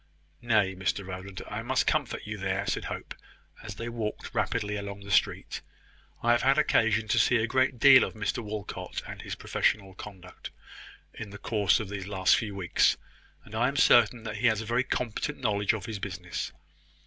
"Nay, Mr Rowland, I must comfort you there," said Hope, as they walked rapidly along the street. "I have had occasion to see a great deal of Mr Walcot and his professional conduct, in the course of the last few weeks; and I am certain that he has a very competent knowledge of his business.